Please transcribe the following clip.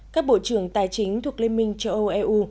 các bộ trưởng tài chính thuộc liên minh châu âu eu